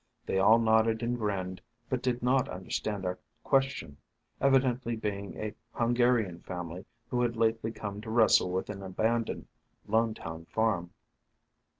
They all nodded and grinned, but did not understand our question, evidently being a Hungarian family who had lately come to wrestle with an abandoned Lonetown farm.